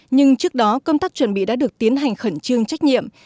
nhưng trước đó công tác chuẩn bị đã được tiến hành khẩn trương trách nhiệm